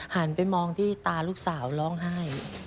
หันไปมองที่ตาลูกสาวร้องไห้